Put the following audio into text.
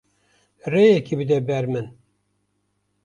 Rêyekê bide ber min.